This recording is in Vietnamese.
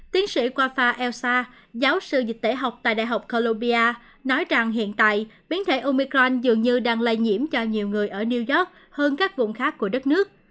tiến sĩ kwafa elsa giáo sư dịch tễ học tại đại học columbia nói rằng hiện tại biến thể omicron dường như đang lây nhiễm cho nhiều người ở new york hơn các vùng khác của đất nước